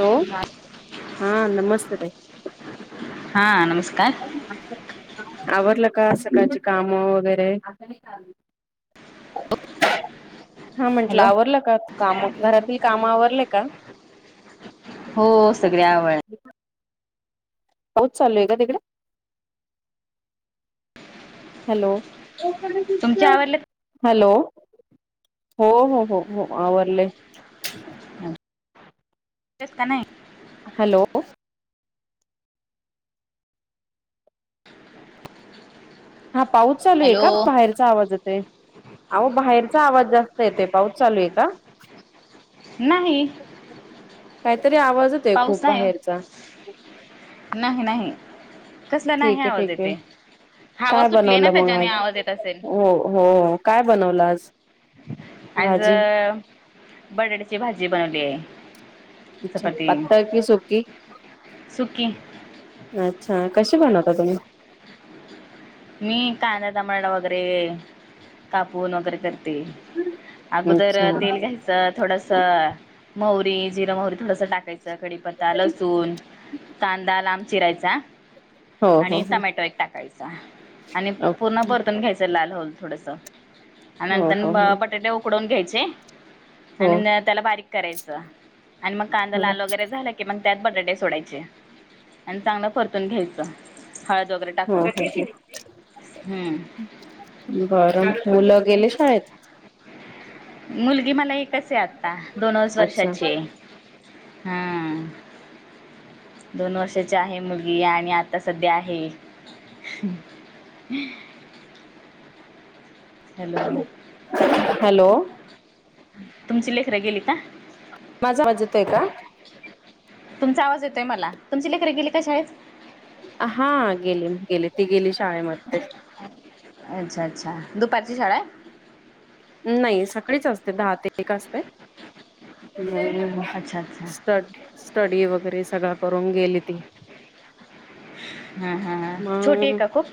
Hello हां नमस्ते ताई. हां नमस्कांर. आवरलं कां सकाळंची कामं वगैरें. अंप हां म्हंटलं आवरलं कां कामं घरांतील कामं आवरलं कां? हो हो सगळें आवर. पाऊसचं चालूं आहे कां तिकडे हॅलो. ओम करेल तुमचे दिसतंय आवडले हॅलो हो हो हो हो आवरलं. ते कां नाही. हॅलो. हां पाऊस चालूं आहे हॅलो कां बाहेर. चां आवांज येतं बाहेरचां आवांज जास्तं येते पाऊस चालूं आहे कां. नाहीं. कांहीं तरी आवांज. पाऊस आहे नाहीं नाहीं. ठीक आहे ठीक आहे हवा कायं सुटली ना बनवलं मंग त्याच्याने आंज आवाज येत असेल हो हो. कायं बनवलं आंज. आज बटाट्याची आज बटाट्याची भाजी बनवली आहे भाजी. च्छा पात्तर की सुकी. सुकी अच्छा कशी बनवता तुम्ही? मी कांदादा तमाडा वगैरे कापून वगैरे करते. अगोदर अच्छा तेल घ्यायचं. थोडस मौरी, जिरा मौरी थोडस टाकायचं. कडीपत्ता लसूण कांदा लांब चिरायचा. हो हो आणि हो टमॅटो एक टाकायचा. पूर्ण ओके परतून घ्यायचं लाल होल आणि हो हो नंतर हो हो बटाटे उ. उकडून घ्यायचे हो. आणि बारीक करायचं आणि कांदा हो लाल वगैरे झाला. कि मग त्यात बटाटे सोडायचे आणि चांगलं परतून घ्यायचं हळद वगैरे. हो टाकून हो हम्म असं बरं करतात मुलं गेले शाळेतआहेत. मुलगी मला एकच आहे आता दोनच अच्छा वर्षाची आहे. हमम. दोन वर्षाची आहे मुलगी आणि आता सध्या आहे. हम्म. हॅलो. हॅलो. तुमची लेखरां गेली का? माझा आवाज यतो आहे का? तुमचा आवाज येतय मला तुमची लेखरी गेली का शाळेतआहेत. हा गेली गेली ती गेली शाळेमध्ये. अच्छा अच्छा दुपारची शाळा आहे. अ नाही सगळीच असते दहा ते एक असतय. अच्छा [inaudible] अच्छा स्ट स्टडी वगैरे सगळ करून गेली ती! हा हा! !.. छोटी आहे का खूप?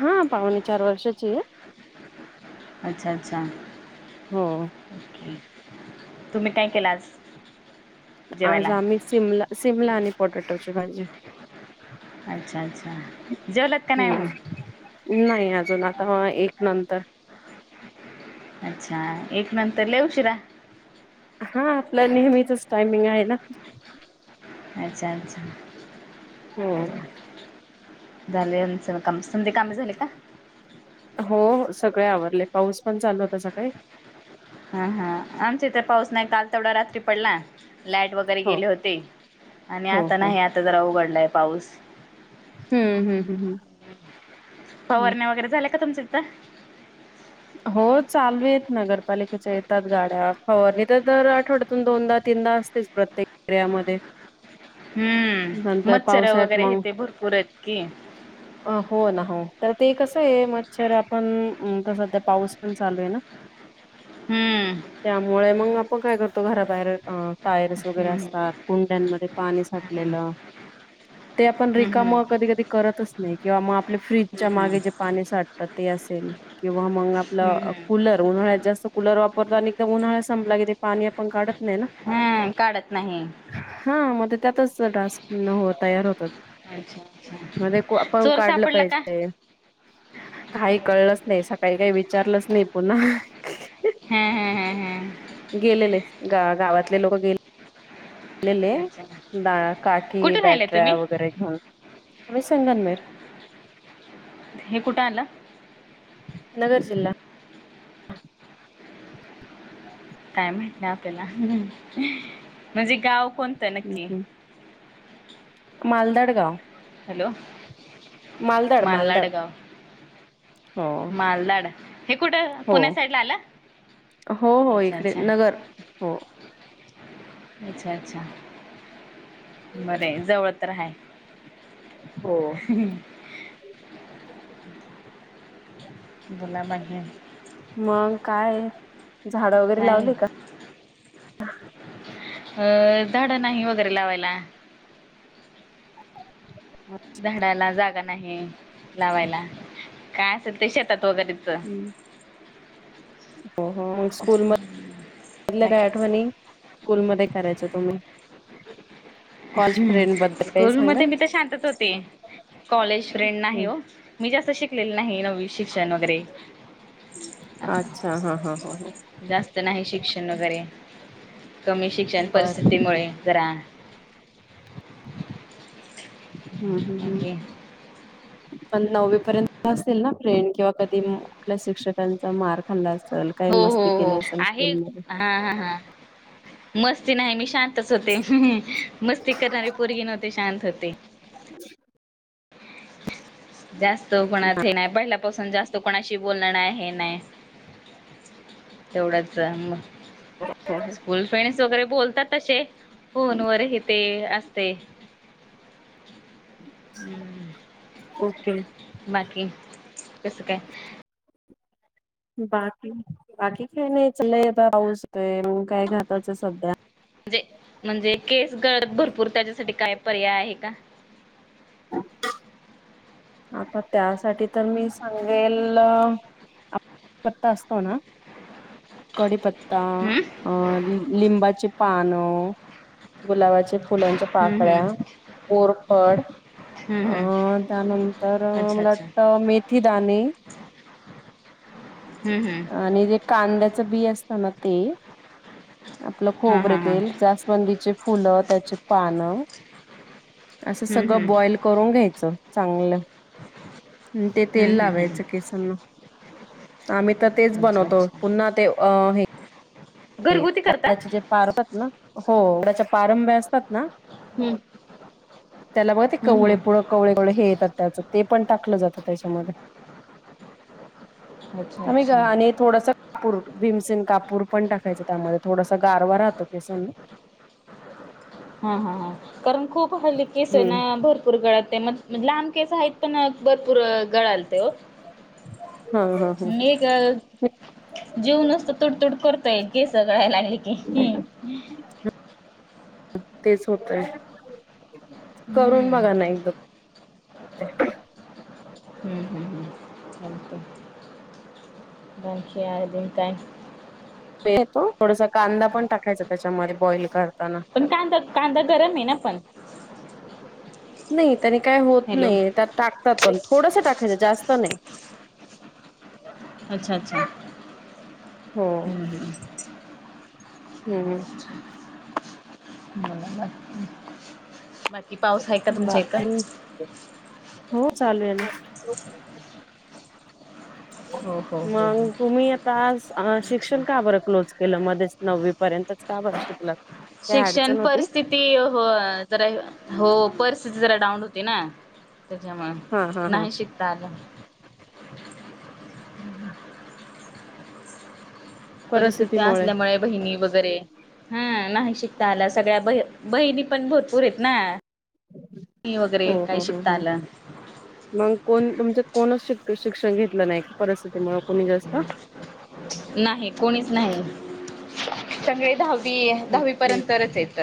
हायाआ!.. पाहणे चार वर्षाची आहे. अच्छा! अच्छा! !.. हो! तुम्ही काय केलात? आज आम्ही, सिमला शिमला, आणि पोटाटोची भाजी. अच्छा! अच्छा! !. जेवलात का नाय हम्म म नाही अजून? आता एक नंतर अच्छा! एक नंतर लऊ शिरा!. हा आपलं नेहमीचच टायमिंग आहे ना? अच्छा अच्छा! हो ! बर!.. झालय आमच आमची स्मदी काम झाली का? हो सगळे आवरले पाऊस पण चालू होता सकाळी? हा हा!. आमच्या इथे पाऊस नाही काल तेवढा रात्री पडला. लाईट वगैरे हो गेले होते हो आता हो नाही जरा उघडलाय पाऊस. हम्म हम्म हम्म हम्म हम्म. पवारण्या वगैरे झालेला का? तुमच्या इथ!.. हो चालू आहेत नगरपालिकेच्या येतात गाड्या फवरनि तर तर दर आठवड्यातून दोनदा तीनदा असते. प्रत्येक एरियामध्ये. हम्म नंतर मच्छर पावसाळ्यात वगैरे मग येत भरपूरच की? अ हो ना हो तर ते कसं आहे मच्छर आपण तस!.. ते पाऊस पण चालू आहे ना हम्म. त्यामुळे मग? मग काय करतो घराबाहेर टायर्स वगैरे हम्म, असतात कुंड्यांमध्ये पाणी हम्म, साठलेलं. ते आपण रिकाम कधी कधी करतच नाही किंवा मग आपल्या फ्रीजच्या हम्म, मागे जे पाणी साठत ते असेल. हो मग हम्म, आप हम्म. कुलर!.. उन्हाळ्यात जास्त कुलर वापरतो आणि एकदम उन्हाळा संपला के पाणी आपण काढत नाही ना? हम.. ! काढत नाही? हा!. म ते त्यातच तर डास तयार होतात. अच्छा म अच्छा. ने कु आपण चोर काढलं सापडला का? पाहिजे? काही कळलंच नाही? सकाळी काही विचारलंच नाही पुन्हा! !.. हम हम हम हम!.. गेलेले ग गावातले लोक गेलेले. अच्छा. गेलेले काठी कुठे राहिलाय बॅटऱ्या तुम्ही? वगैरे घेऊन मी संगमनेर. हे कुठं आलं? नगर जिल्हा. काय माहीत आपल्याला म्हणजे गाव कोणतं नक्की? मालदाड गाव. हॅलो! !. मालदाड मालदाड. हो मालदड हे कुठं हो पूणे साईड ला आलं? हो हो अच्छा इकडे अच्छा. नगर हो! अच्छा अच्छा! !.. बरं य जवळ तर हाय. हो! !.. [unintelligible] [unintelligible] मग काय? झाडं वगैरे काय लावली का अं झाडं नाही वगैरे लावायला. झाडाला जागा नाही लावायला काय असेल ते शेतात वगैरे. हम् हो हो स्कूल मधल्या काय बाकी आठवणी स्कूलमध्ये करायच्या तुम्ही. कॉलेज हम्म फ्रेंड बद्दल काही स्कूल मध्ये सांगाल मी तर शांतच होती. कॉलेज फ्रेंड नाही हो! मी जास्त शिकलेल नाही नववी शिक्षण वगैरे. असं अच्छा! ! हा हा हा. जास्त नाही शिक्षण वगैरे, कमी शिक्षण बर परिस्थितीमुळे जरा. हम् हम् हम् ओके पण नववी पर्यंत असतील ना फ्रेंड्स किंवा कधी कुठल्या शिक्षकांचा मार खाल्ला असेल, काही हो हो मस्ती केली हो असल आहे स्कूलमध्ये. हा हा हा! ! मस्ती नाही मी शांत तसं ते मस्ती करणारी पोरगी नव्हते शांत होते. [inaudible] जास्त कुणात हे नाही पहिल्यापासून जास्त त कोणाशी बोलणं नाही हे नाही तेवढंच मग. स्कूल फ्रेंड्स वगैरे बोलतात तसे फोन वर हे ते असतय. हम्म ओके. बाकी कस काय बाकी बाकी काय नाही चालय पाऊस येतोय मग काय घालायचं सध्या म्हणजे म्हणजे केस गळत भरपूर त्याच्यासाठी काय पर्याय आहे का आता त्यासाठी तर मी सांगेल कडीपत्ता असतो ना कडीपत्ता हम्म अ लिंब लिंबाचे पानं गुलाबाच्या फुलांच्या हम्म पाकळ्या हम्म कोरफड हम्म हम्म अं त्यानंतर मला मला वाटतं मेथी दाणे हम हम आणि जे कांद्याचं बी असत ना ते आपलं हा खोबरे हा हा तेल जास वंदी चे फुल त्याची पानं असं हम्म सगळं हम्म बॉईल करून करून घ्यायच चांगलं ते तेल हम्म हम्म लावयच हम्म केसाला हॅलो आम्ही तर तेच अच्छा बनवतो अच्छा पुन्हा ते अ हे घरगुती करता वडाच्या जे परंभ्या आहेत ना वडाच्या पारंभ्या असतात ना हम्म त्याला बघ ते हम्म कवळे पुढ हम्म कवळेव हे येतात त्याच ते पण टाकलं जातं त्याच्यामध्ये अच्छा आम्ही ग अच्छा आणि थोडास कापूर भीमसन कापूर पण टाकायच त्यामध्ये थोडासा गारवा राहतो केसांना हा हा हा कारण खूप हल्ली कस ना हम्म भरपूर भरपूर गळालते मग लहान केस आहेत पण भरपूर गळालते ओ हा हा ने हा ग जीव नुसत तुडतुड करतोय केस गळायला लागली की तेच होतय करून बघा ना एकदा हम हम हम चालतंय बाकी आजुन काय [inaudible] थोडसा कांदा पण टाकायचा त्याच्यामध्ये बॉईल करताना पण कांदा कांदा गरम आहे ना पण नाही त्यानी काय होत हॅलो नाही त्यात टाकतात पण थोडस टाकायचं जास्त नाही अच्छा अच्छा हम. हम्म हम्म हम हम घरात आहात [unintelligible] बाकी [inaudible] हो चालू आहे ना हो हो हो मंग हो तुम्ही आता ह अच्छा शिक्षण का बरं क्लोज केलं मध्येच नव्वी पर्यंतच का बरं शिकलात काय शिक्षण अडचण होती. परस्थिती ती हो जरा हो परिस्थिती जरा डाऊन होती ना हा हा त्याच्यामुळे हा नाही शिकता आलं [inaudible] परिस्थिती परिस्थितीमुळे असल्यामुळे बहिणी वगैरे हा नाही शिकता आला सगळ्या ब बहिणी पण भरपूर आहेत ना वगैरे हम काही हम शिकता हम आलं मग कोण तुमच्यात कोणच शिक्षण घेतलं नाही परिस्थितीमुळ कोणी जास्त नाही कोणीच नाही सगळी दहावी. दहावी पर्यंतरच हायत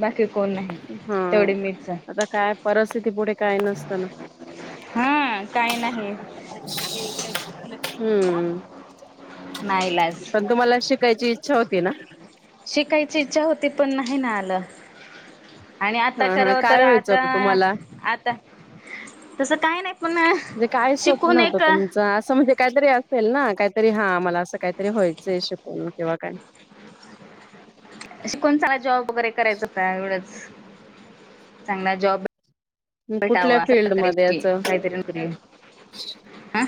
बाकी कोण नाही हा तेवढी मीच आता काय परिस्थिती पुढे काय नसत ना हा काय नाही हम्म, नाईलाज पण तुम्हाला शिक कायची इच्छा होती ना. शीकायची इच्छा होती पण नाही ना आलं. आणि आता हा हा करावं तर काय व्हायचं आता,, होतं तुम्हाला? आता तसं काय नाही पण म्हणे काय शिकून स्वप्नव्हतं एक तुमचं असं म्हणजे काहीतरी असेल ना, काहीतरी हा मला असं काहीतरी व्हायचंय शिकून किंवा काय शीकून चांगला जॉब वगैरे करायचं होता एवढंच,, चांगला जॉब कुठल्या बैटावा, असं सरकार फील्डमध्ये या असं काहीतरी क हा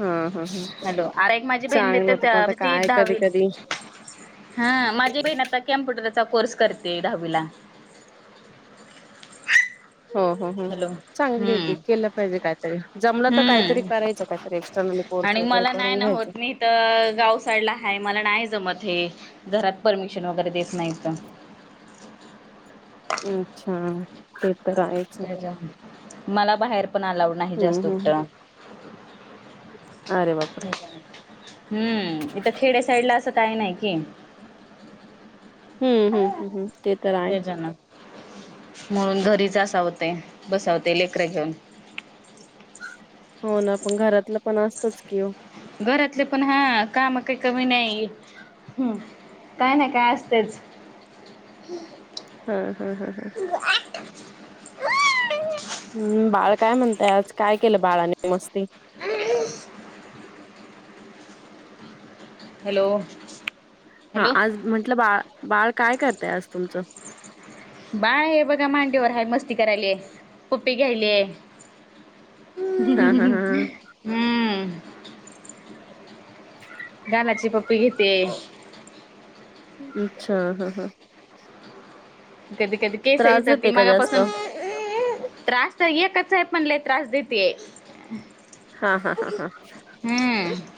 हा हा ह हॅलो, अरे एक माझी बहीण चांगलं देते होत पण त्या आता ती काय कधी दहावी कधी हा, माझी बहीण आता कम्प्युटरचा कोर्स करते दहावीला. हो हो हो हॅलो चांगली आहे हम्म की, केलं पाहिजे काहीतरी, जमलं तर काहीतरी हम्म करायचं काहीतरी एक्स्टर्नल कोर्स आणि वगैरे मला नाही करून ना घ्यायचा. होत मी तर गाव साईडला आहे मला नाही जमत हे,, घरात परमिशन वगैरे देत नाहीतं. अच्छा, ते तर आहे. मला बाहेर पण अलाव नाही जास्त हम्म हम् कुठं अरे बापरे हम्म,, इथं खेडे साईड ला असं काय नाही कि हम्म हम्म. म ते तर आहे त्याच्यानं,, म्हणून घरीच असावते, बसावते लेकरं घेऊन. हो ना पण घरातलं पण असतंच की ओ. घरातले पण हा काम काही कमी नाही हम्म, काय ना काय असतेच. हा हा हा हम्म बाळ काय म्हणतय आज,, काय केलं बाळानी मस्ती? ह [inaudible] हॅलो हा हॅलो आज म्हंटलं बाळ, बाळ काय करतय आज तुमचं? बाळ हे बघा मांडीवर हाय मस्ती करायले पप्पी घ्यायले ह हा हा हा ह हम्म,, गालाची पप्पी घेते अच्छा हा हां कधी कधी केस त्रास विचरती देते का जास्त मगापासून त्रास त, र एकच आहे पण लय त्रास देतेय. हा हा हा हा हम्म.